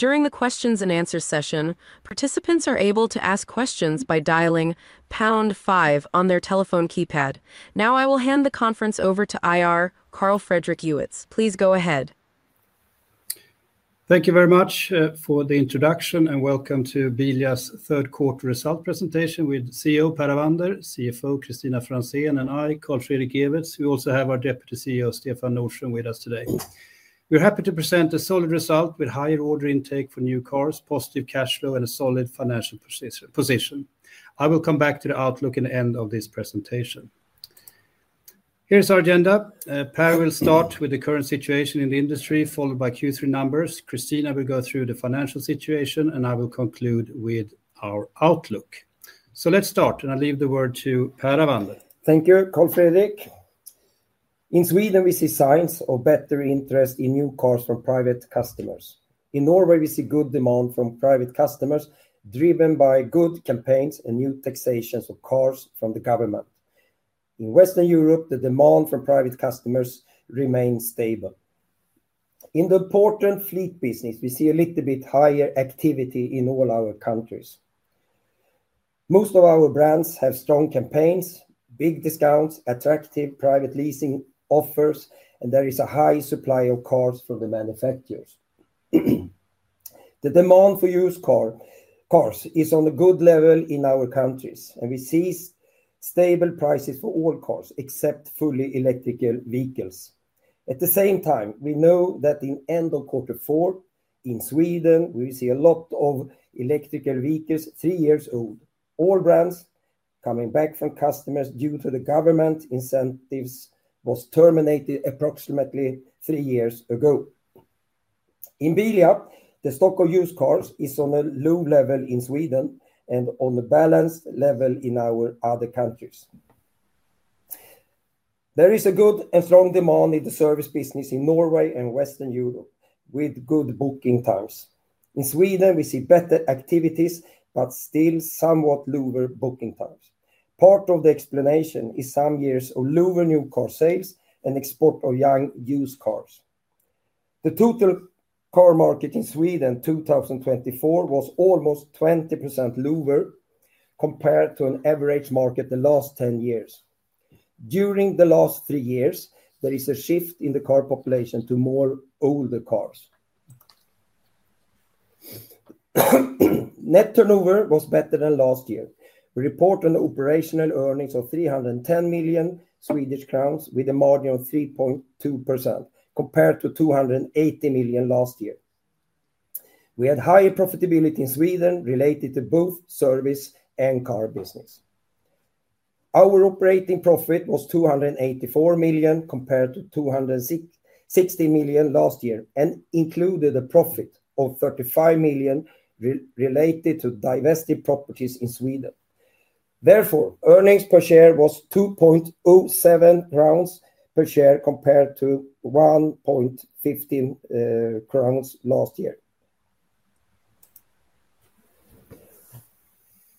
During the questions-and-answers session, participants are able to ask questions by dialing pound five on their telephone keypad. Now, I will hand the conference over to IR, Carl Fredrik Ewetz. Please go ahead. Thank you very much for the introduction and welcome to Bilia's third quarter result presentation with CEO Per Avander, CFO Kristina Franzén, and I, Carl Fredrik Ewetz. We also have our Deputy CEO, Stefan Nordström, with us today. We're happy to present a solid result with higher order intake for new cars, positive cash flow, and a solid financial position. I will come back to the outlook in the end of this presentation. Here's our agenda. Per will start with the current situation in the industry, followed by Q3 numbers. Kristina will go through the financial situation, and I will conclude with our outlook. Let's start, and I'll leave the word to Per Avander. Thank you, Carl Fredrik. In Sweden, we see signs of better interest in new cars from private customers. In Norway, we see good demand from private customers driven by good campaigns and new taxations of cars from the government. In Western Europe, the demand from private customers remains stable. In the port and fleet business, we see a little bit higher activity in all our countries. Most of our brands have strong campaigns, big discounts, attractive private leasing offers, and there is a high supply of cars from the manufacturers. The demand for used cars is on a good level in our countries, and we see stable prices for all cars except fully electric vehicles. At the same time, we know that in the end of quarter four in Sweden, we will see a lot of electric vehicles three years old. All brands coming back from customers due to the government incentives were terminated approximately three years ago. In Bilia, the stock of used cars is on a low level in Sweden and on a balanced level in our other countries. There is a good and strong demand in the service business in Norway and Western Europe with good booking times. In Sweden, we see better activities but still somewhat lower booking times. Part of the explanation is some years of lower new car sales and export of young used cars. The total car market in Sweden 2024 was almost 20% lower compared to an average market the last 10 years. During the last three years, there is a shift in the car population to more older cars. Net turnover was better than last year. We report an operational earnings of 310 million Swedish crowns with a margin of 3.2% compared to 280 million last year. We had higher profitability in Sweden related to both service and car business. Our operating profit was 284 million compared to 260 million last year and included a profit of 35 million related to divested properties in Sweden. Therefore, earnings per share was 2.07 per share compared to 1.15 crowns last year.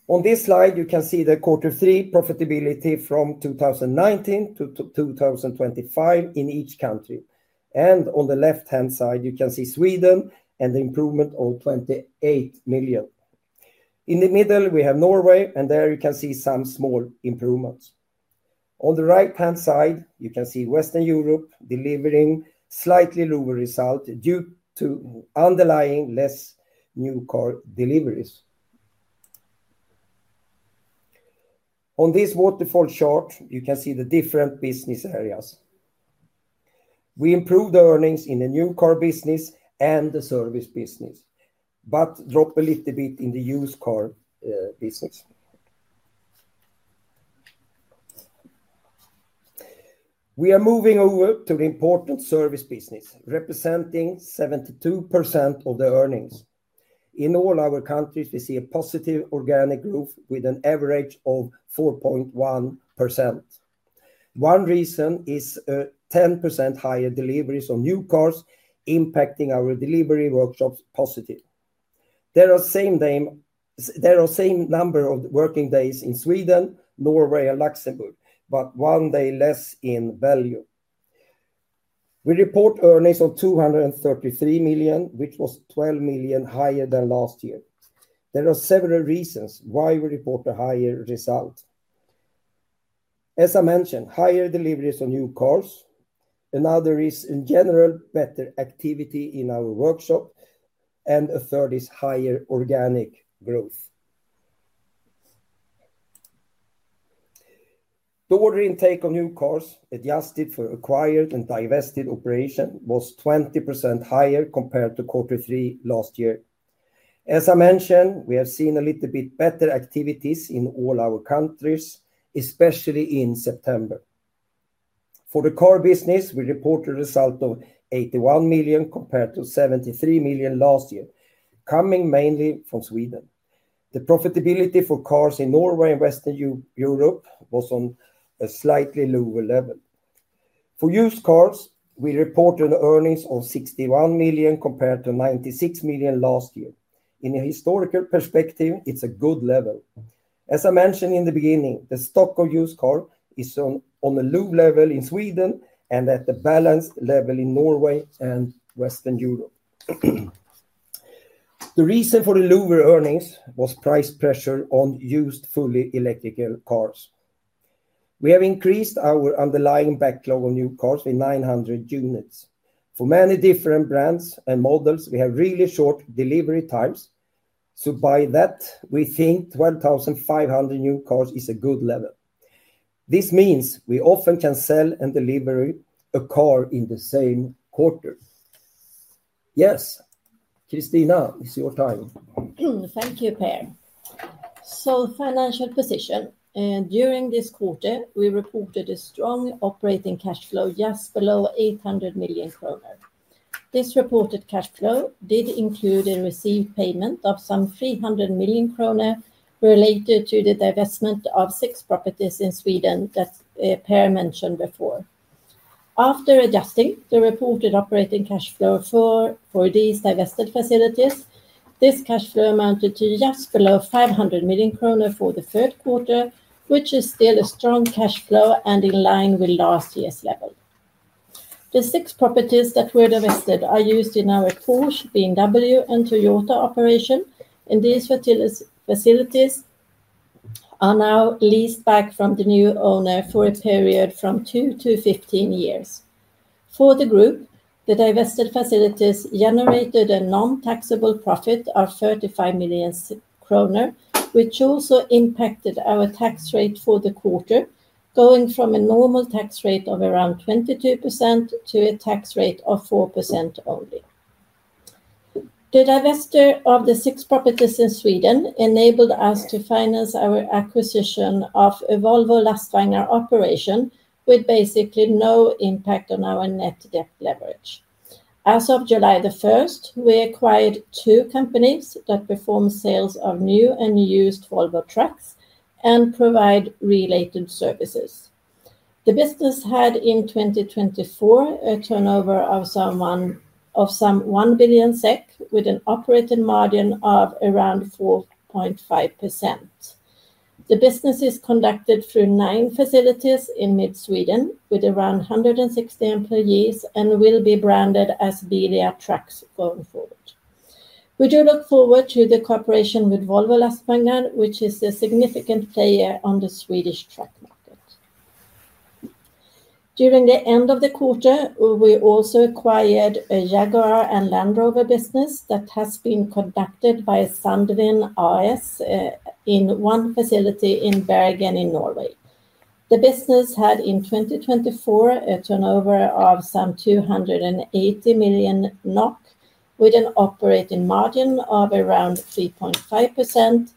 On this slide, you can see the quarter three profitability from 2019-2025 in each country. On the left-hand side, you can see Sweden and the improvement of 28 million. In the middle, we have Norway, and there you can see some small improvements. On the right-hand side, you can see Western Europe delivering a slightly lower result due to underlying less new car deliveries. On this waterfall chart, you can see the different business areas. We improved earnings in the new car business and the service business but dropped a little bit in the used car business. We are moving over to the important service business, representing 72% of the earnings. In all our countries, we see a positive organic growth with an average of 4.1%. One reason is 10% higher deliveries of new cars, impacting our delivery workshops positively. There are the same number of working days in Sweden, Norway, and Luxembourg, but one day less in value. We report earnings of 233 million, which was 12 million higher than last year. There are several reasons why we report a higher result. As I mentioned, higher deliveries of new cars. Another is, in general, better activity in our workshop, and a third is higher organic growth. The order intake of new cars adjusted for acquired and divested operations was 20% higher compared to quarter three last year. As I mentioned, we have seen a little bit better activities in all our countries, especially in September. For the car business, we report a result of 81 million compared to 73 million last year, coming mainly from Sweden. The profitability for cars in Norway and Western Europe was on a slightly lower level. For used cars, we reported earnings of 61 million compared to 96 million last year. In a historical perspective, it's a good level. As I mentioned in the beginning, the stock of used cars is on a low level in Sweden and at the balanced level in Norway and Western Europe. The reason for the lower earnings was price pressure on used fully electrical cars. We have increased our underlying backlog of new cars with 900 units. For many different brands and models, we have really short delivery times. By that, we think 12,500 new cars is a good level. This means we often can sell and deliver a car in the same quarter. Yes, Kristina, it's your turn. Thank you, Per. Financial position: during this quarter, we reported a strong operating cash flow just below 800 million kronor. This reported cash flow did include a received payment of some 300 million kronor related to the divestment of six properties in Sweden that Per mentioned before. After adjusting the reported operating cash flow for these divested facilities, this cash flow amounted to just below 500 million kronor for the third quarter, which is still a strong cash flow and in line with last year's level. The six properties that were divested are used in our Porsche, BMW, and Toyota operation, and these facilities are now leased back from the new owner for a period from 2-15 years. For the group, the divested facilities generated a non-taxable profit of 35 million kronor, which also impacted our tax rate for the quarter, going from a normal tax rate of around 22% to a tax rate of 4% only. The divestment of the six properties in Sweden enabled us to finance our acquisition of a Volvo Trucks operation with basically no impact on our net debt leverage. As of July 1st, we acquired two companies that perform sales of new and used Volvo Trucks and provide related services. The business had in 2024 a turnover of some 1 billion SEK with an operating margin of around 4.5%. The business is conducted through nine facilities in mid-Sweden with around 160 employees and will be branded as Bilia Trucks going forward. We do look forward to the cooperation with Volvo Trucks, which is a significant player on the Swedish truck market. During the end of the quarter, we also acquired a Jaguar and Land Rover business that has been conducted by Sandven AS in one facility in Bergen in Norway. The business had in 2024 a turnover of some 280 million NOK with an operating margin of around 3.5%,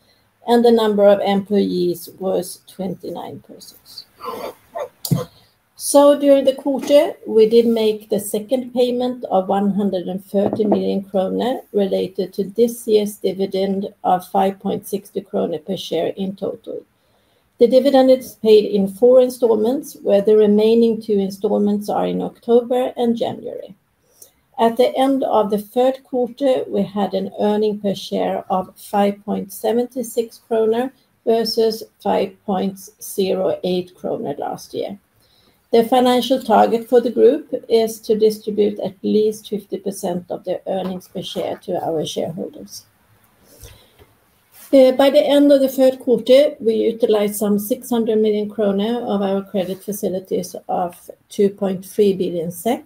and the number of employees was 29 persons. During the quarter, we did make the second payment of 130 million kronor related to this year's dividend of 5.60 kronor per share in total. The dividend is paid in four installments, where the remaining two installments are in October and January. At the end of the third quarter, we had an earnings per share of 5.76 kronor versus 5.08 kronor last year. The financial target for the group is to distribute at least 50% of the earnings per share to our shareholders. By the end of the third quarter, we utilized some 600 million kronor of our credit facilities of 2.3 billion SEK.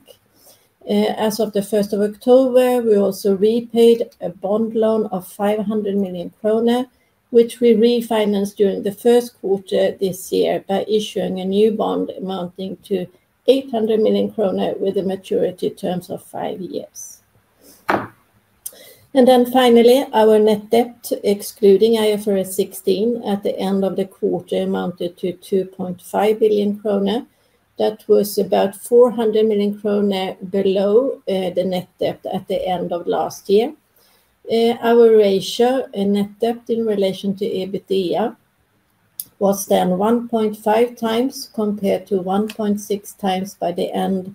As of the 1st of October, we also repaid a bond loan of 500 million kronor, which we refinanced during the first quarter this year by issuing a new bond amounting to 800 million krona with a maturity term of five years. Finally, our net debt, excluding IFRS 16, at the end of the quarter amounted to 2.5 billion kronor. That was about 400 million kronor below the net debt at the end of last year. Our ratio net debt in relation to EBITDA was then 1.5x compared to 1.6x by the end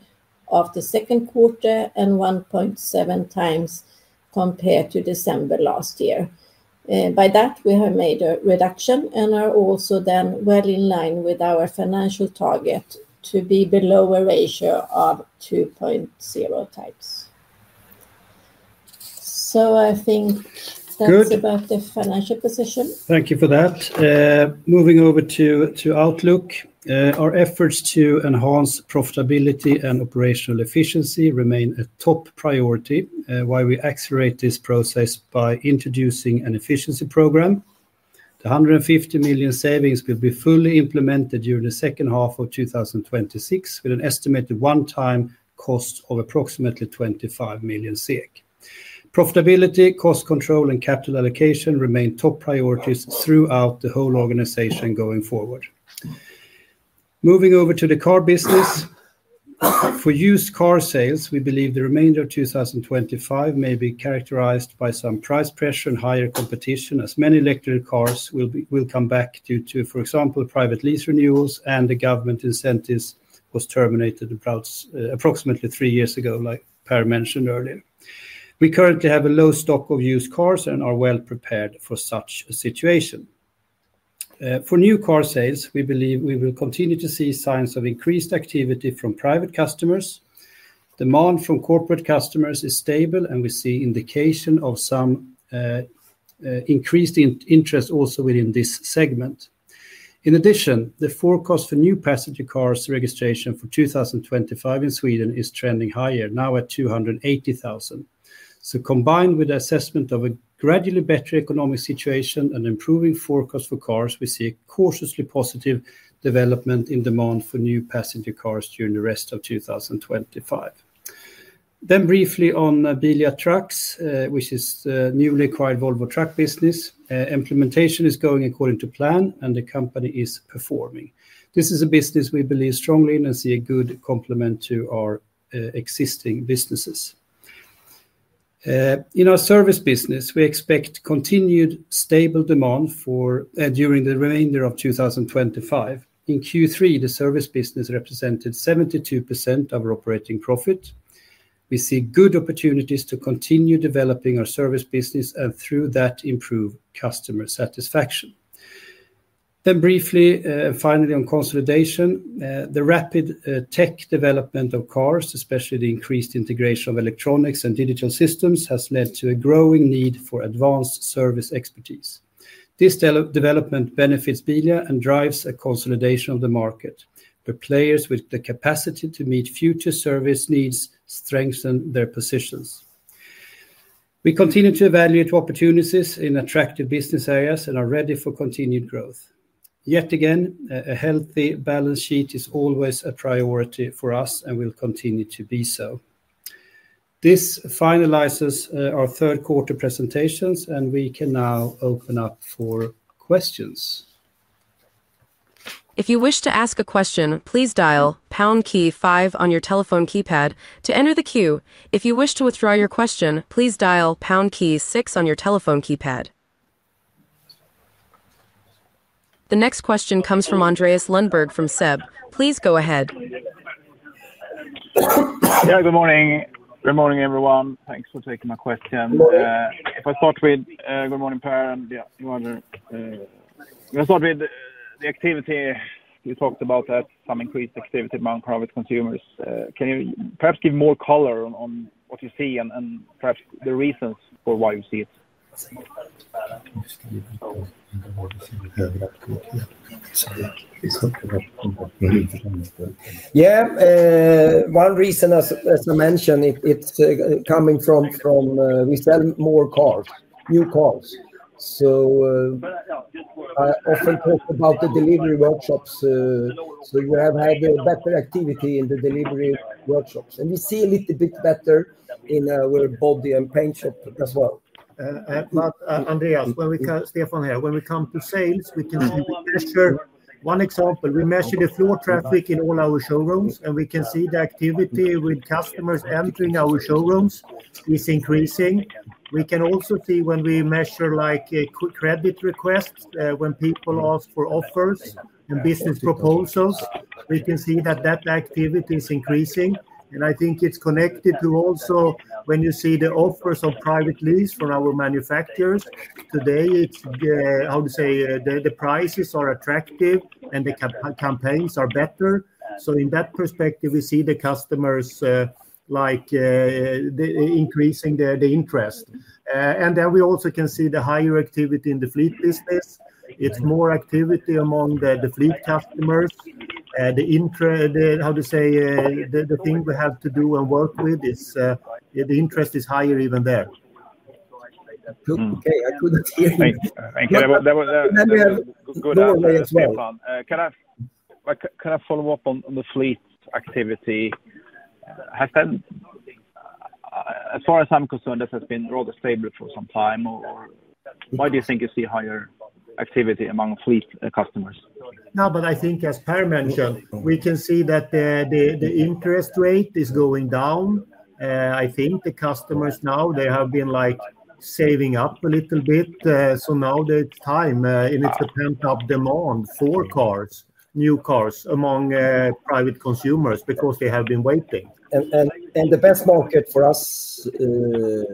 of the second quarter and 1.7x compared to December last year. By that, we have made a reduction and are also then well in line with our financial target to be below a ratio of 2.0 times. I think that's about the financial position. Thank you for that. Moving over to outlook, our efforts to enhance profitability and operational efficiency remain a top priority while we accelerate this process by introducing an efficiency program. The $150 million savings will be fully implemented during the second half of 2026 with an estimated one-time cost of approximately $25 million SEK. Profitability, cost control, and capital allocation remain top priorities throughout the whole organization going forward. Moving over to the car business, for used car sales, we believe the remainder of 2025 may be characterized by some price pressure and higher competition as many electric cars will come back due to, for example, private lease renewals and the government incentives that were terminated approximately three years ago, like Per mentioned earlier. We currently have a low stock of used cars and are well prepared for such a situation. For new car sales, we believe we will continue to see signs of increased activity from private customers. Demand from corporate customers is stable, and we see indication of some increased interest also within this segment. In addition, the forecast for new passenger cars registration for 2025 in Sweden is trending higher, now at 280,000. Combined with the assessment of a gradually better economic situation and improving forecast for cars, we see a cautiously positive development in demand for new passenger cars during the rest of 2025. Briefly on Bilia Trucks, which is the newly acquired Volvo Trucks business. Implementation is going according to plan, and the company is performing. This is a business we believe strongly in and see a good complement to our existing businesses. In our service business, we expect continued stable demand during the remainder of 2025. In Q3, the service business represented 72% of our operating profit. We see good opportunities to continue developing our service business and through that improve customer satisfaction. Briefly and finally on consolidation, the rapid tech development of cars, especially the increased integration of electronics and digital systems, has led to a growing need for advanced service expertise. This development benefits Bilia and drives a consolidation of the market. The players with the capacity to meet future service needs strengthen their positions. We continue to evaluate opportunities in attractive business areas and are ready for continued growth. Yet again, a healthy balance sheet is always a priority for us and will continue to be so. This finalizes our third quarter presentations, and we can now open up for questions. If you wish to ask a question, please dial poundkey five on your telephone keypad to enter the queue. If you wish to withdraw your question, please dial poundkey six on your telephone keypad. The next question comes from Andreas Lundberg from SEB. Please go ahead. Good morning, everyone. Thanks for taking my question. If I start with the activity, you talked about some increased activity among private consumers. Can you perhaps give more color on what you see and perhaps the reasons for why you see it? Yeah, one reason, as I mentioned, it's coming from we sell more cars, new cars. I often talk about the delivery workshops. We have had better activity in the delivery workshops, and we see a little bit better in our body and paint shop as well. Andreas, this is Stefan here. When we come to sales, we can see we measure one example. We measure the floor traffic in all our showrooms, and we can see the activity with customers entering our showrooms is increasing. We can also see when we measure credit requests, when people ask for offers and business proposals, we can see that that activity is increasing. I think it's connected to also when you see the offers on private lease from our manufacturers. Today, the prices are attractive and the campaigns are better. In that perspective, we see the customers increasing the interest. We also can see the higher activity in the fleet business. It's more activity among the fleet customers. The interest, the thing we have to do and work with is the interest is higher even there. Okay, I couldn't hear you. Thank you. Go ahead. Can I follow up on the fleet activity? As far as I'm concerned, this has been rather stable for some time. Why do you think you see higher activity among fleet customers? No, but I think as Per mentioned, we can see that the interest rate is going down. I think the customers now, they have been like saving up a little bit. Now it's time, and it's a pent-up demand for cars, new cars among private consumers because they have been waiting. The best market for us, the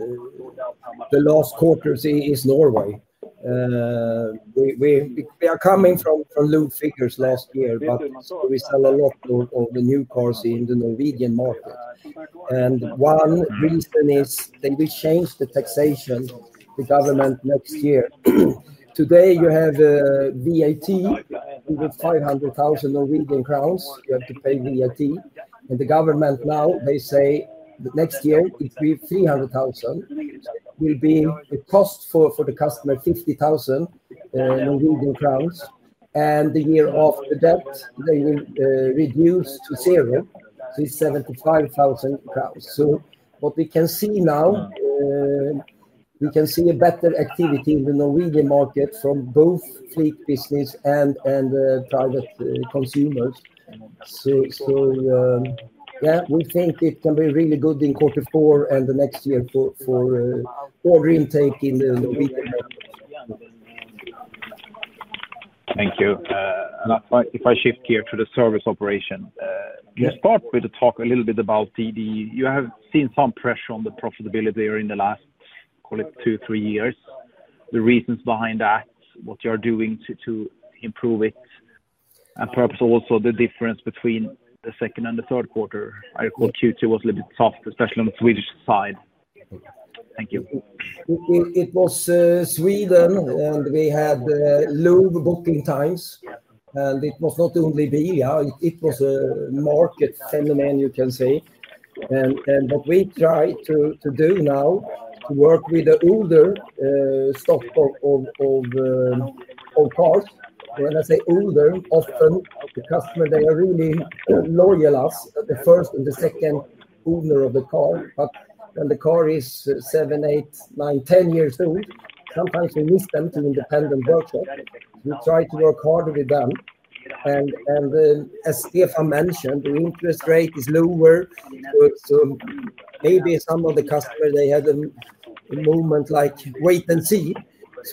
last quarter, is Norway. We are coming from low figures last year, but we sell a lot of the new cars in the Norwegian market. One reason is that we changed the taxation to government next year. Today, you have VAT with 500,000 Norwegian crowns. You have to pay VAT. The government now, they say next year, if we have 300,000, it will be a cost for the customer 50,000 Norwegian crowns. The year after that, they will reduce to zero, so it's NOK 75,000. What we can see now, we can see a better activity in the Norwegian market from both fleet business and private consumers. We think it can be really good in quarter four and the next year for order intake in the Norwegian market. Thank you. If I shift gear to the service operation, can you start with a talk a little bit about TD? You have seen some pressure on the profitability during the last, call it, two, three years. The reasons behind that, what you are doing to improve it, and perhaps also the difference between the second and the third quarter. I recall Q2 was a little bit tough, especially on the Swedish side. Thank you. It was Sweden, and we had low booking times. It was not only Bilia, it was a market phenomenon, you can say. What we try to do now is work with the older stock of cars. When I say older, often the customers are really loyal to us, the first and the second owner of the car. When the car is 7, 8, 9, 10 years old, sometimes we miss them to an independent workshop. We try to work harder with them. As Stefan mentioned, the interest rate is lower. Maybe some of the customers had a moment like wait and see.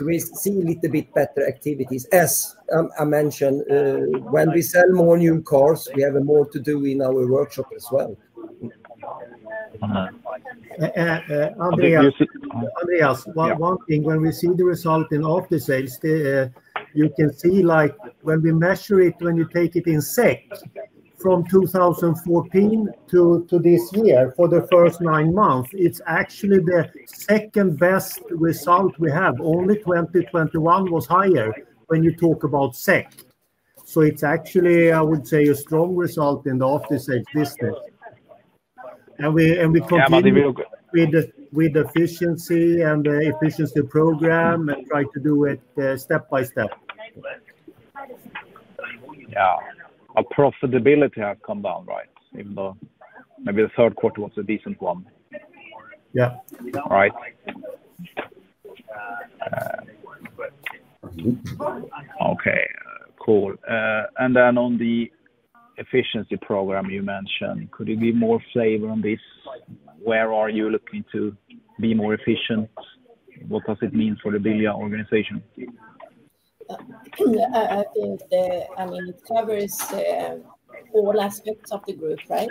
We see a little bit better activities. As I mentioned, when we sell more new cars, we have more to do in our workshop as well. Andreas, one thing, when we see the result in after sales, you can see when we measure it, when you take it in SEK from 2014 to this year, for the first nine months, it's actually the second best result we have. Only 2021 was higher when you talk about SEK. It's actually, I would say, a strong result in the after sales business. We continue with efficiency and the efficiency program and try to do it step by step. Yeah, our profitability has come down, right? Even though maybe the third quarter was a decent one. Yeah. All right. Okay, cool. On the efficiency program you mentioned, could you give more flavor on this? Where are you looking to be more efficient? What does it mean for the Bilia organization? I think it covers all aspects of the group, right?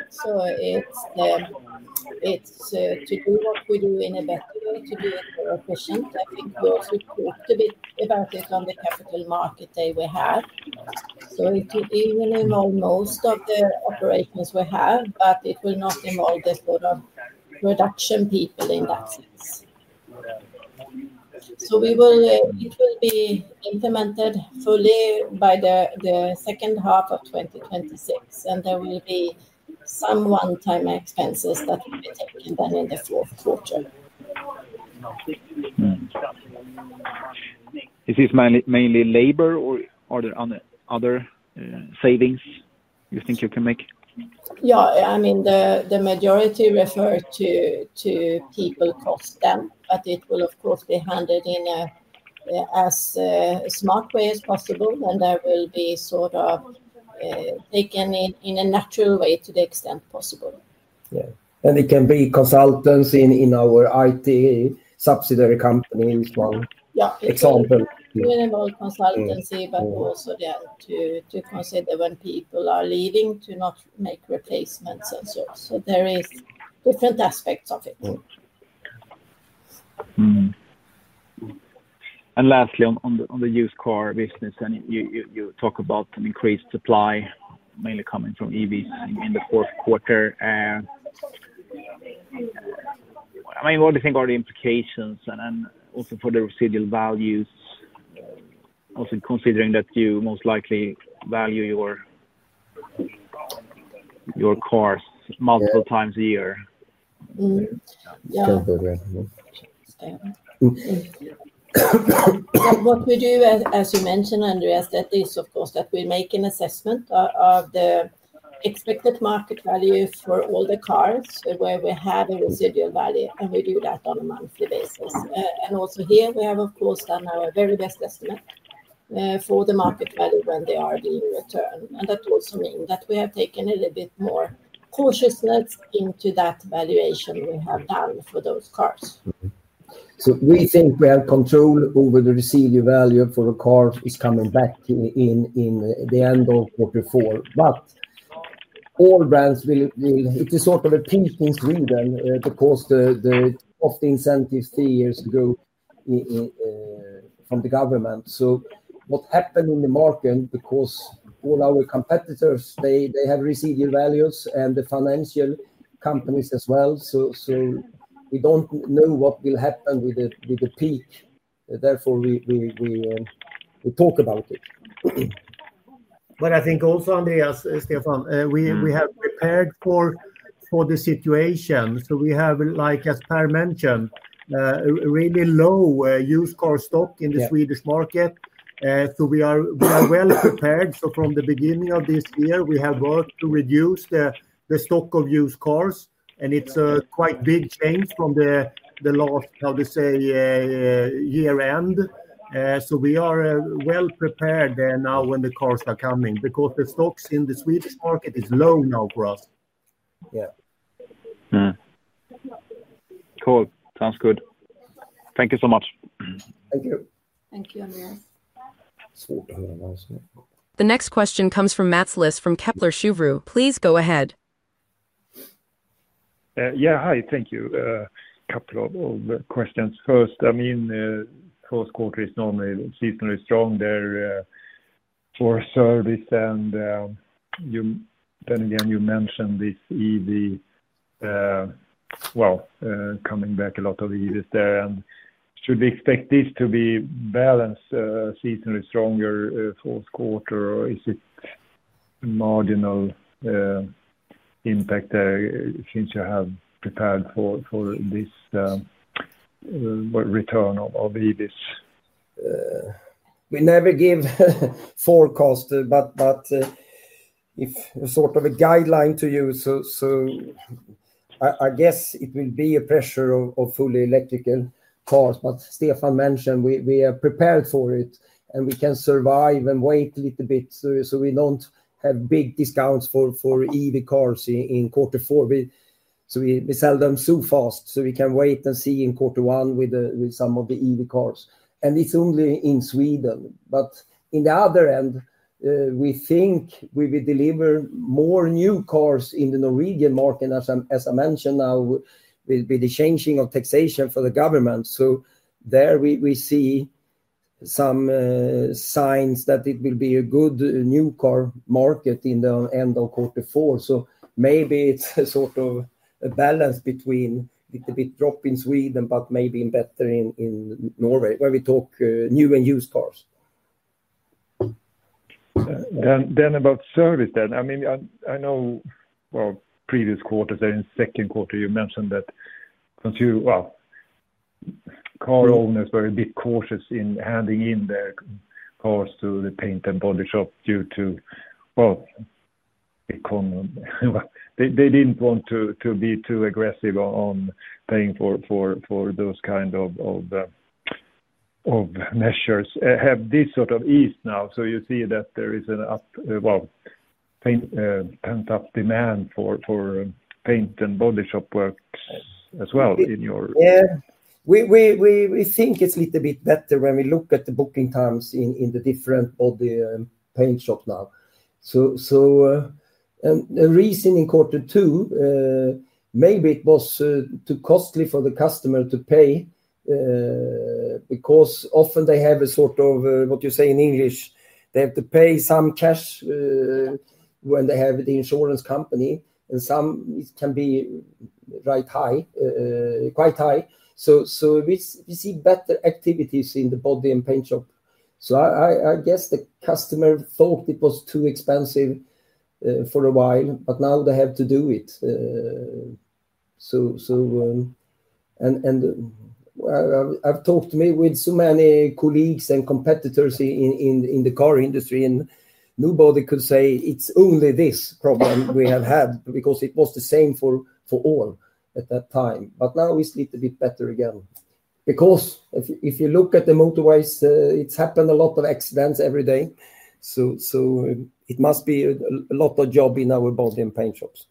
It's to do what we do in a better way, to be more efficient. I think we also talked a bit about it on the capital market day we have. It will involve most of the operations we have, but it will not involve the sort of production people in that sense. It will be implemented fully by the second half of 2026. There will be some one-time expenses that will be taken then in the fourth quarter. Is this mainly labor, or are there other savings you think you can make? Yeah, I mean, the majority refer to people cost then, but it will, of course, be handled in as a smart way as possible. That will be sort of taken in a natural way to the extent possible. It can be consultants in our IT subsidiary companies as well. Yeah, it's a minimal consultancy, but also there to consider when people are leaving to not make replacements and so on. There are different aspects of it. Lastly, on the used car business, you talk about an increased supply mainly coming from EVs in the fourth quarter. What do you think are the implications and also for the residual values, also considering that you most likely value your cars multiple times a year? Yeah. What we do, as you mentioned, Andreas, is that we make an assessment of the expected market value for all the cars where we have a residual value. We do that on a monthly basis. We have, of course, done our very best estimate for the market value when they are being returned. That also means that we have taken a little bit more cautiousness into that valuation we have done for those cars. We think we have control over the residual value for a car that is coming back in the end of quarter four. All brands will, it is sort of a two things reading because of the incentives three years ago from the government. What happened in the market is that all our competitors, they have residual values and the financial companies as well. We don't know what will happen with the peak. Therefore, we talk about it. I think also, Andreas, Stefan, we have prepared for the situation. As Per mentioned, we have a really low used car stock in the Swedish market. We are well prepared. From the beginning of this year, we have worked to reduce the stock of used cars. It's a quite big change from the last year-end. We are well prepared now when the cars are coming because the stocks in the Swedish market are low now for us. Yeah, cool. Sounds good. Thank you so much. Thank you. Thank you, Andreas. The next question comes from Mats Liss from Kepler Cheuvreux. Please go ahead. Thank you. A couple of questions. First, the first quarter is normally seasonally strong there for a service. You mentioned this EV, coming back a lot of EVs there. Should we expect this to be balanced seasonally stronger for the fourth quarter, or is it a marginal impact there since you have prepared for this return of EVs? We never give forecasts, but if a sort of a guideline to use, I guess it will be a pressure of fully electrical cars. Stefan mentioned we are prepared for it, and we can survive and wait a little bit. We don't have big discounts for EV cars in quarter four. We sell them so fast, we can wait and see in quarter one with some of the EV cars. It's only in Sweden. In the other end, we think we will deliver more new cars in the Norwegian market, as I mentioned now, with the changing of taxation for the government. There we see some signs that it will be a good new car market in the end of quarter four. Maybe it's a sort of a balance between a bit drop in Sweden, but maybe better in Norway where we talk new and used cars. About service, I know previous quarters and second quarter, you mentioned that car owners were a bit cautious in handing in their cars to the body and paint shops due to not wanting to be too aggressive on paying for those kinds of measures. Has this sort of eased now? Do you see that there is a pent-up demand for body and paint shop work as well in your business? Yeah, we think it's a little bit better when we look at the booking times in the different body and paint shops now. A reason in quarter two, maybe it was too costly for the customer to pay because often they have a sort of, what you say in English, they have to pay some cash when they have the insurance company, and some it can be quite high. We see better activities in the body and paint shop. I guess the customer thought it was too expensive for a while, but now they have to do it. I've talked to so many colleagues and competitors in the car industry, and nobody could say it's only this problem we have had because it was the same for all at that time. Now it's a little bit better again. If you look at the motorways, it's happened a lot of accidents every day. It must be a lot of job in our body and paint shops.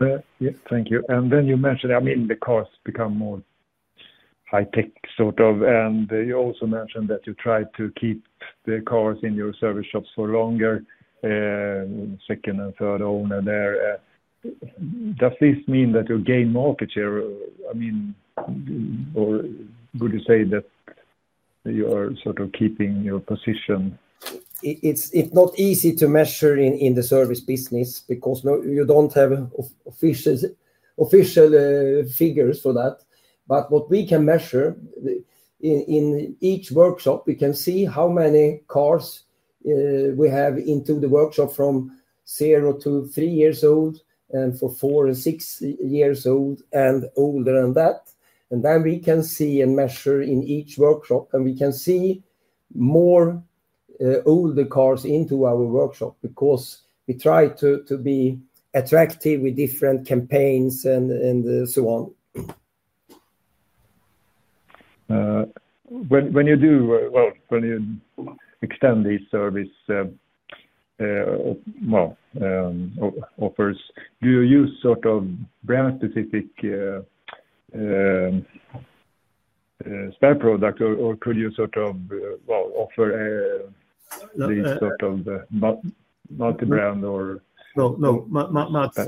Thank you. You mentioned, I mean, the cars become more high-tech, and you also mentioned that you try to keep the cars in your service shops for longer, second and third owner there. Does this mean that you gain market share, or would you say that you are sort of keeping your position? It's not easy to measure in the service business because you don't have official figures for that. What we can measure in each workshop, we can see how many cars we have into the workshop from zero to three years old, for four to six years old, and older than that. We can see and measure in each workshop, and we can see more older cars into our workshop because we try to be attractive with different campaigns and so on. When you extend these service offers, do you use sort of brand-specific spare products, or could you offer these sort of multi-brand or? No, no, Mats,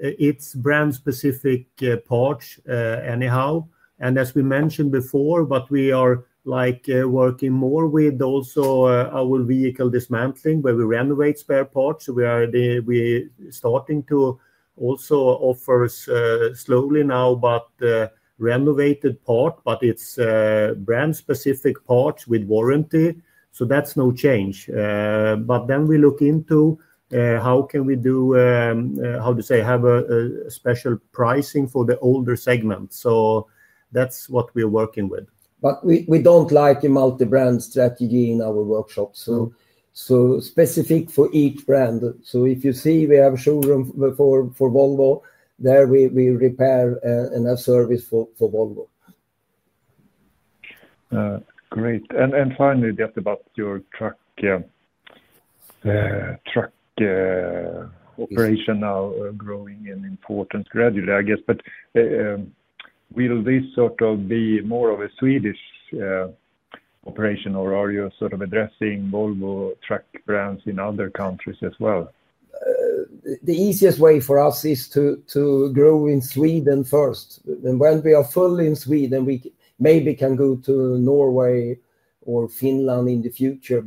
it's brand-specific parts anyhow. As we mentioned before, we are working more with our vehicle dismantling where we renovate spare parts. We are starting to also offer slowly now renovated parts, but it's brand-specific parts with warranty. That's no change. We look into how we can have a special pricing for the older segment. That's what we're working with. We don't like a multi-brand strategy in our workshops. It's specific for each brand. If you see we have a showroom for Volvo, there we repair and have service for Volvo. Great. Finally, just about your truck operation now growing in importance gradually, I guess. Will this sort of be more of a Swedish operation, or are you sort of addressing Volvo Trucks brands in other countries as well? The easiest way for us is to grow in Sweden first. When we are full in Sweden, we maybe can go to Norway or Finland in the future.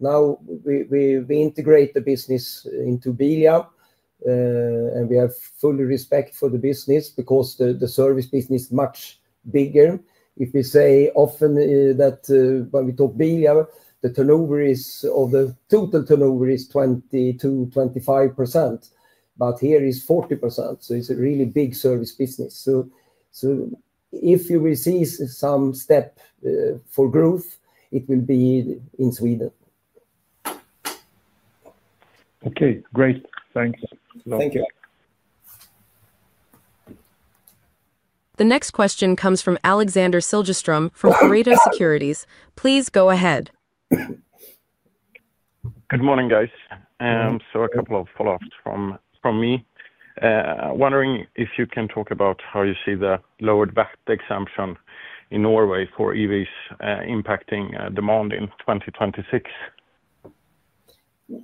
Now we integrate the business into Bilia, and we have full respect for the business because the service business is much bigger. If we say often that when we talk Bilia, the turnover of the total turnover is 22%-25%. Here it is 40%. It's a really big service business. If you will see some step for growth, it will be in Sweden. Okay, great. Thanks. Thank you. The next question comes from Alexander Siljeström from Coreto Securities. Please go ahead. Good morning, guys. A couple of follow-ups from me. Wondering if you can talk about how you see the lower VAT exemption in Norway for EVs impacting demand in 2026.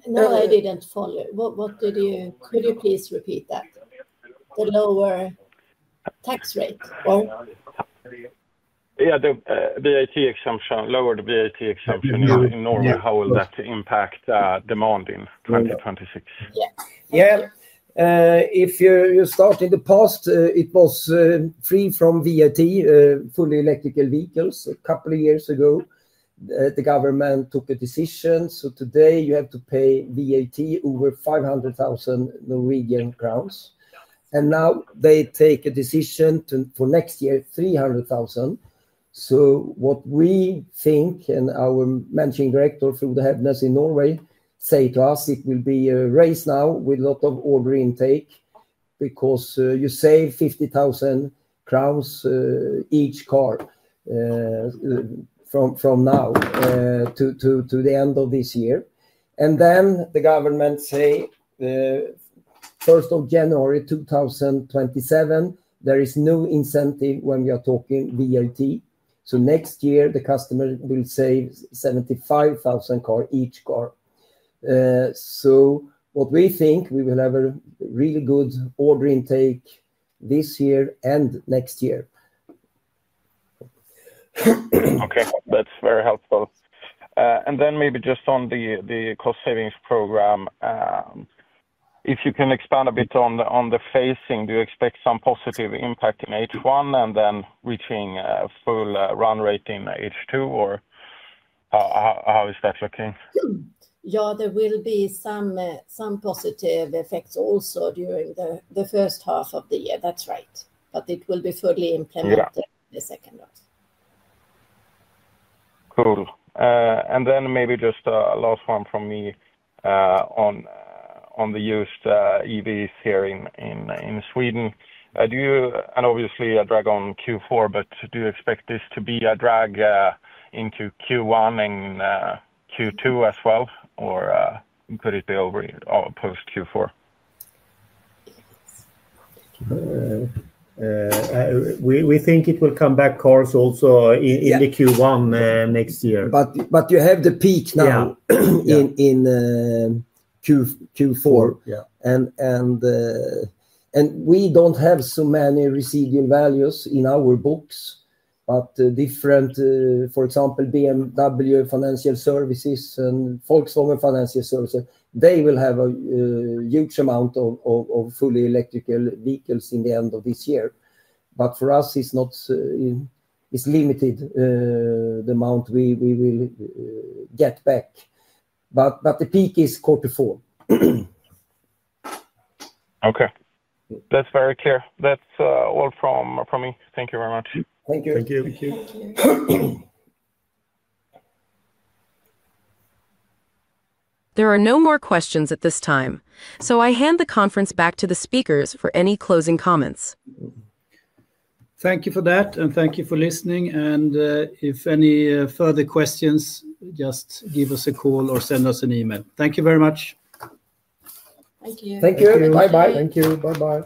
No, I didn't follow. What did you? Could you please repeat that? The lower tax rate? Yeah, the VAT exemption, lower the VAT exemption in Norway. How will that impact demand in 2026? Yeah, if you start in the past, it was free from VAT, fully electrical vehicles. A couple of years ago, the government took a decision. Today you have to pay VAT over 500,000 Norwegian crowns. Now they take a decision for next year, 300,000. What we think, and our Managing Director through the headness in Norway, say to us, it will be a race now with a lot of order intake because you save 50,000 crowns each car from now to the end of this year. The government say, the 1st of January 2027, there is no incentive when we are talking VAT. Next year, the customer will save 75,000 each car. What we think, we will have a really good order intake this year and next year. Okay, that's very helpful. Maybe just on the cost savings program, if you can expand a bit on the phasing, do you expect some positive impact in H1 and then reaching a full run rate in H2? How is that looking? Yeah, there will be some positive effects also during the first half of the year. That's right. It will be fully implemented in the second half. Cool. Maybe just a last one from me on the used EVs here in Sweden. Do you, obviously a drag on Q4, but do you expect this to be a drag into Q1 and Q2 as well? Could it be over post Q4? We think it will come back, cars also in Q1 next year. You have the peak now in Q4. We don't have so many residual values in our books. For example, BMW Financial Services and Volkswagen Financial Services will have a huge amount of fully electric vehicles at the end of this year. For us, it's limited, the amount we will get back. The peak is Q4. Okay. That's very clear. That's all from me. Thank you very much. Thank you. Thank you. There are no more questions at this time. I hand the conference back to the speakers for any closing comments. Thank you for that, and thank you for listening. If any further questions, just give us a call or send us an email. Thank you very much. Thank you. Thank you. Bye-bye. Thank you. Bye-bye.